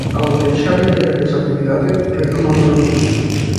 Ao deixar de ter eles actividade retomámolo nós.